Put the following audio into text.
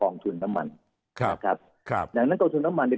องค์ทุนน้ำมันถลักไว้